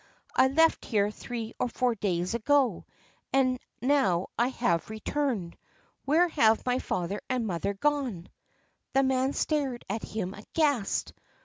I left here three or four days ago, and now I have returned. Where have my father and mother gone ?' The man stared at him aghast.